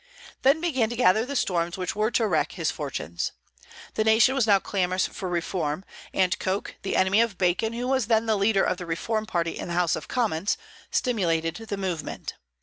Then began to gather the storms which were to wreck his fortunes. The nation now was clamorous for reform; and Coke, the enemy of Bacon, who was then the leader of the Reform party in the House of Commons, stimulated the movement.